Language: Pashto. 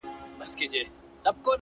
په پوهېږمه که نه د وجود ساز دی